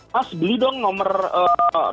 mas beli dong nomor per provider ya